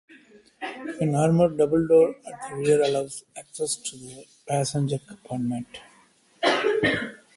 An armoured double-door at the rear allows access to the passenger compartment.